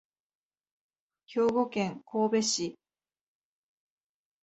兵庫県神戸市